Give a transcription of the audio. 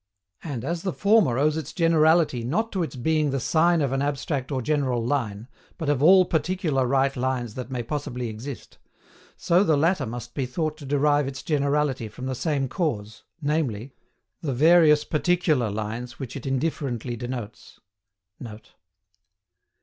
And as the former owes its generality not to its being the sign of an abstract or general line, but of ALL PARTICULAR right lines that may possibly exist, so the latter must be thought to derive its generality from the same cause, namely, the VARIOUS PARTICULAR lines which it indifferently denotes. [Note.